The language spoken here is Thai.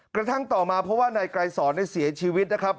กระทั่งต่อมาเพราะว่านายไกรสอนเสียชีวิตนะครับ